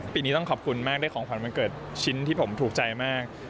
ปีนี้ต้องขอบคุณมากได้ของขวัญวันเกิดชิ้นที่ผมถูกใจมาก